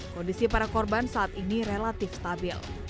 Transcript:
kondisi para korban saat ini relatif stabil